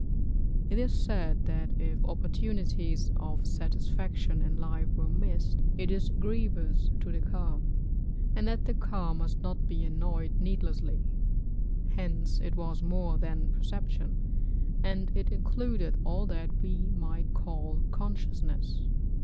It is said that if opportunities of satisfaction in life were missed it is grievous to the ka, and that the ka must not be annoyed needlessly; hence it was more than perception, and it included all that we might call consciousness.